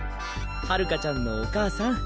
春夏ちゃんのお母さん。